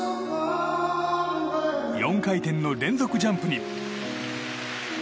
４回転の連続ジャンプに。